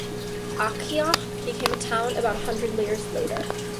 Aichach became a town about hundred years later.